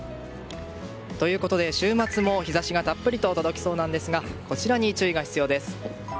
ということで週末も日差しがたっぷりと届きそうなんですがこちらに注意が必要です。